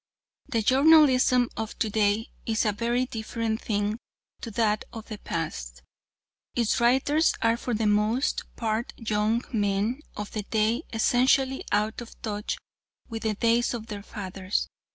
The journalism of to day is a very different thing to that of the past. Its writers are for the most part young men of the day essentially out of touch with the days of their fathers.